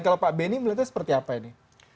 kalau pak benny melihatnya seperti apa ini